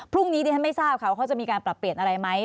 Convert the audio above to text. พรุ่งนี้ดิฉันไม่ทราบค่ะว่าเขาจะมีการปรับเปลี่ยนอะไรไหม